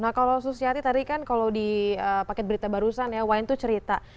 nah kalau susiati tadi kan kalau di paket berita barusan ya wine itu cerita